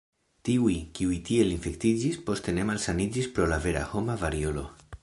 Tiuj, kiuj tiel infektiĝis, poste ne malsaniĝis pro la vera homa variolo.